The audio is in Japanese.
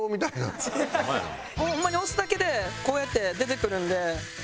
もうホンマに押すだけでこうやって出てくるんで。